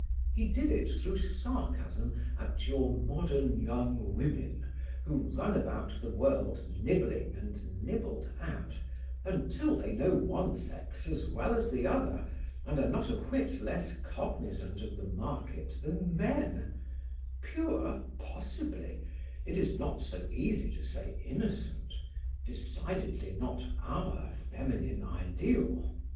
He did it through sarcasm at your modern young women, who run about the world nibbling and nibbled at, until they know one sex as well as the other, and are not a whit less cognizant of the market than men; pure, possibly; it is not so easy to say innocent; decidedly not our feminine ideal.